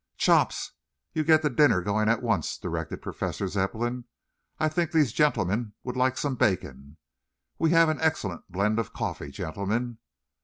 "Chops, you get the dinner going at once," directed Professor Zepplin. "I think these gentlemen would like some bacon. We have an excellent blend of coffee, gentlemen.